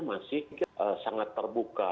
masih sangat terbuka